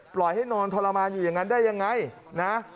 ปล่อยให้นอนทรมานอยู่อย่างนั้นได้ยังไงนะ